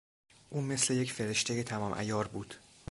او مثل یک فرشتهی تمام عیار بود.